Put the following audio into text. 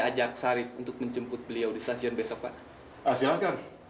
ajak sarip untuk menjemput beliau di stasiun besok pak silahkan